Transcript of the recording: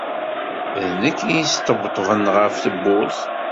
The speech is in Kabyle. D nekk i yesṭebṭben ɣef tewwurt.